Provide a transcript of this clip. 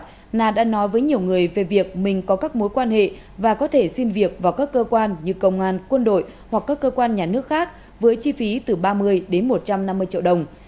trước đó na đã nói với nhiều người về việc mình có các mối quan hệ và có thể xin việc vào các cơ quan như công an quân đội hoặc các cơ quan nhà nước khác với chi phí từ ba mươi đến một trăm năm mươi triệu đồng